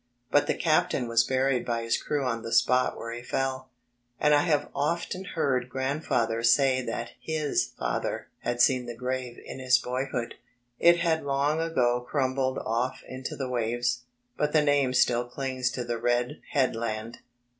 But the captain was buried by his crew on the spot where he fell, and I have often heard Grandfa ther say that his father had seen the grave in his boyhood. It had long ago crumbled off into the waves, but the name still clings to the red headland.